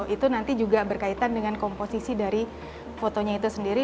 itu nanti juga berkaitan dengan komposisi dari fotonya itu sendiri